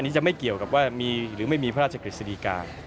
จะไม่เกี่ยวกับว่ามีหรือไม่มีพระราชกฤษฎีกา